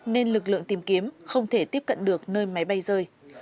nên lực lượng tìm kiếm không thể tiếp cận được nơi máy bay rơi